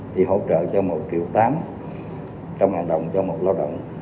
thì hỗ trợ cho một triệu tám trong hành động trong một lao động